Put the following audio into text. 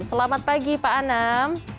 selamat pagi pak anam